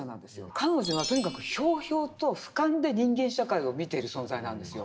彼女はとにかくひょうひょうと俯瞰で人間社会を見ている存在なんですよ。